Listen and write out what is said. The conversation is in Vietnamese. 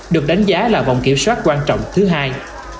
được đánh giá là vòng kiểm soát quan trọng thứ hai